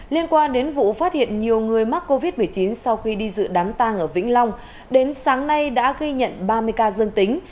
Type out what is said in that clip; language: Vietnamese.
liên quan đến vụ phát hiện nhiều người mắc covid một mươi chín sau khi đi dự đám tang ở vĩnh long đến sáng nay đã ghi nhận ba mươi ca dân tính